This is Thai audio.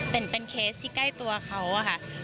เป็นเคสที่ใกล้ตัวเขาอะค่ะ